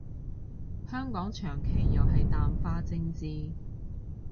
香港長期又係淡化政治